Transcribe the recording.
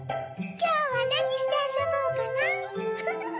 きょうはなにしてあそぼうかなフフフ！